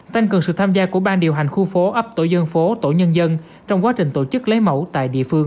tăng cường sự tham gia của bang điều hành khu phố ấp tổ dân phố tổ nhân dân trong quá trình tổ chức lấy mẫu tại địa phương